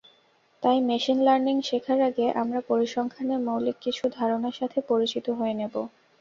তাই machine learning শেখার আগে আমরা পরিসংখ্যানের মৌলিক কিছু ধারনার সাথে পরিচিত হয়ে নেবো।